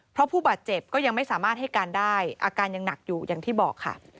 เพราะผู้บาดเจ็บก็ยังไม่สามารถให้การได้อาการยังหนักอยู่อย่างที่บอกค่ะ